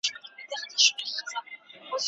ستاسو په سترګو کي به د رښتیا لټون وي.